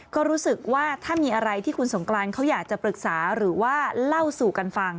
ก็รู้สึกว่าถ้ามีอะไรที่คุณสงกรานเขาอยากจะปรึกษาหรือว่าเล่าสู่กันฟัง